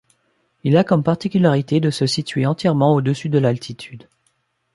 Il a comme particularité de se situer entièrement au-dessus de d'altitude.